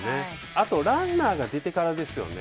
あと、ランナーが出てからですよね。